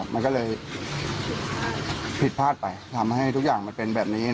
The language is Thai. มันก็เลยผิดพลาดไปทำให้ทุกอย่างมันเป็นแบบนี้